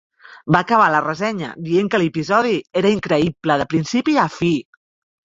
Va acabar la ressenya dient que l'episodi "era increïble, de principi a fi".